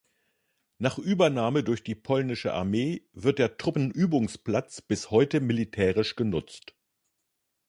Nach Übernahme durch die polnische Armee wird der Truppenübungsplatz bis heute militärisch genutzt.